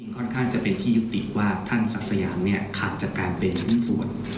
ค่อนข้างจะเป็นที่ยุติว่าท่านศักดิ์สยามเนี่ยขาดจากการเป็นชิ้นส่วน